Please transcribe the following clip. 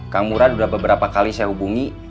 kang murad sudah beberapa kali saya hubungi